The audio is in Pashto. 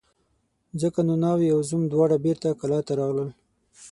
ځکه نو ناوې او زوم دواړه بېرته کلاه ته راغلل.